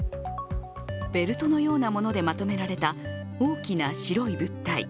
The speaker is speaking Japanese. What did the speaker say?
ベルトのようなものでまとめられた大きな白い物体。